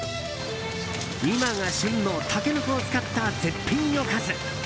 今が旬のタケノコを使った絶品おかず。